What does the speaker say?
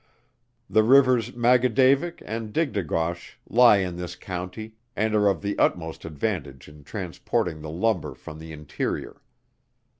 The rivers Maggagaudavick and Digdaguash, lie in this county, and are of the utmost advantage in transporting the lumber from the interior.